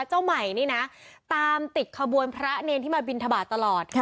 เจ้าใหม่นี่นะตามติดขบวนพระเนรที่มาบินทบาทตลอด